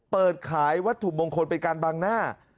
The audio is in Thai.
เปิดขายวัตถุมงคลเป็นการบังหน้า